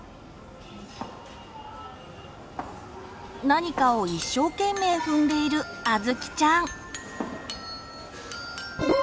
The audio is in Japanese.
何かを一生懸命踏んでいるあずきちゃん。